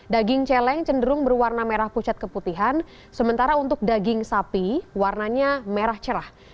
daging celeng cenderung berwarna merah pucat keputihan sementara untuk daging sapi warnanya merah cerah